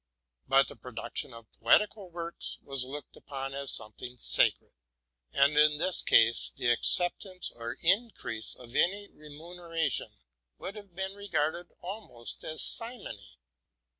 But the production of poetical works was looked upon as something sacred, and in this case the acceptance or increase of any remuneration would have been regarded almost as simony.